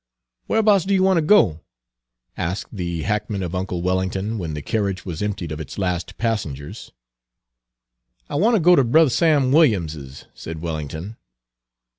"Whereabouts do you want to go?" asked the hackman of uncle Wellington, when the carriage was emptied of its last passengers. "I want ter go ter Brer Sam Williams's," said Wellington.